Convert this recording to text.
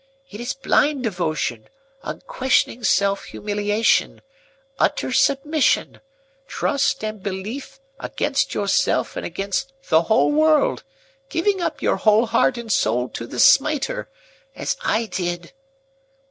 It is blind devotion, unquestioning self humiliation, utter submission, trust and belief against yourself and against the whole world, giving up your whole heart and soul to the smiter—as I did!"